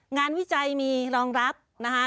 วิจัยมีรองรับนะคะ